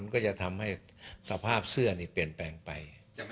ก็จะทำให้สภาพเสื้อนี่เปลี่ยนแปลงไป